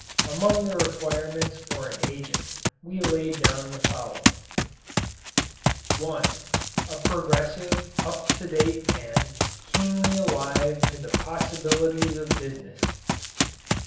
Among the requirements for an agent we laid down the following: (1) A progressive, up to date man keenly alive to the possibilities of business.